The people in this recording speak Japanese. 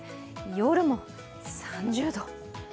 夜も３０度。